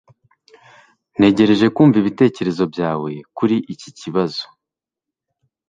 ntegereje kumva ibitekerezo byawe kuri iki kibazo